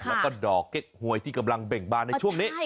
แล้วก็ดอกเก๊กหวยที่กำลังเบ่งบานในช่วงนี้